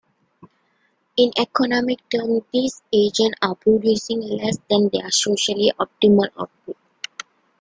In economic terms, these agents are producing less than their socially optimal output.